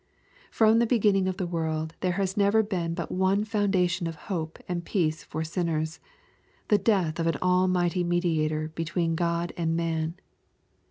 From the beginning of the world there has never been but one foundation of hope and peace for sinners — the death of an Almighty Mediator between God and man.